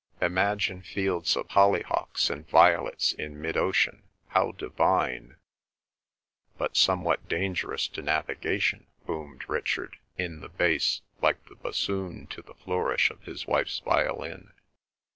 Imagine fields of hollyhocks and violets in mid ocean! How divine!" "But somewhat dangerous to navigation," boomed Richard, in the bass, like the bassoon to the flourish of his wife's violin.